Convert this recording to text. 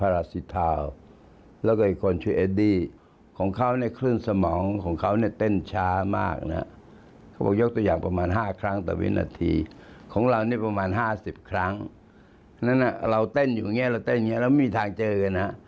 เราเต้นอย่างนี้แล้วไม่มีทางเจอกัน